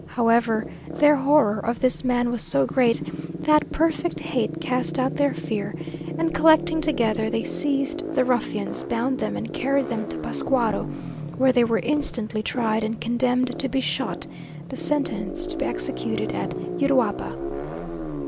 However, their horror of this man was so great, that perfect hate cast out their fear, and collecting together, they seized the ruffians, bound them, and carried them to Pascuaro, where they were instantly tried, and condemned to be shot; the sentence to be executed at Uruapa.